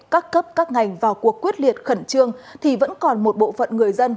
các cấp các ngành vào cuộc quyết liệt khẩn trương thì vẫn còn một bộ phận người dân